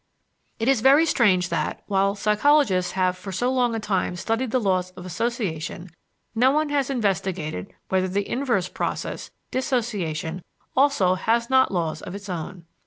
It is very strange that, while psychologists have for so long a time studied the laws of association, no one has investigated whether the inverse process, dissociation, also has not laws of its own.